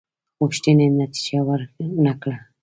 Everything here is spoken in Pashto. غوښتنې نتیجه ورنه کړه.